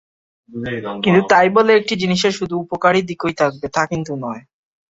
কিন্তু তাই বলে একটি জিনিসের শুধু উপকারী দিকই থাকবে তা কিন্তু নয়।